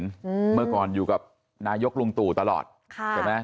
อืมเมื่อก่อนอยู่กับนายกลุงตู่ตลอดค่ะใช่ไหม